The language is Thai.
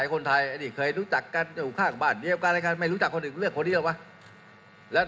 อยากได้คนใหม่อยากได้คนเก่า